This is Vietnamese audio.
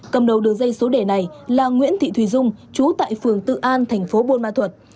cầm đầu đường dây số đề này là nguyễn thị thùy dung chú tại phường tự an tp bunma thuật